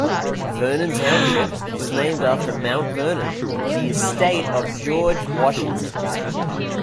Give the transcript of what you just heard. Vernon Township was named after Mount Vernon, the estate of George Washington.